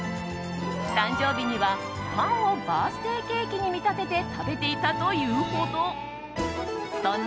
誕生日には、パンをバースデーケーキに見立てて食べていたというほど。